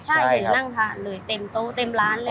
ใช่ทั้งเต็มโต๊ะเต็มร้านเลย